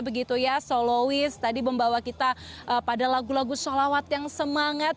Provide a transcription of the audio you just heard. begitu ya soloist tadi membawa kita pada lagu lagu sholawat yang semangat